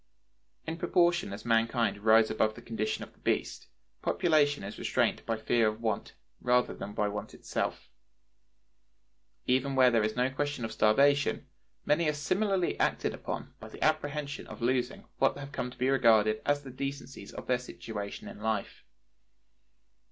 In proportion as mankind rise above the condition of the beast, population is restrained by the fear of want, rather than by want itself. Even where there is no question of starvation, many are similarly acted upon by the apprehension of losing what have come to be regarded as the decencies of their situation in life.